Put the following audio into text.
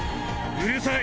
うるさい！